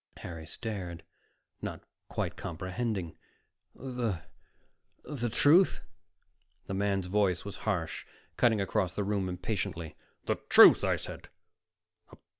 Harry stared, not quite comprehending. "The the truth?" The man's voice was harsh, cutting across the room impatiently. "The truth, I said.